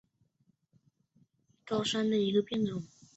高山水锦树为茜草科水锦树属下的一个种。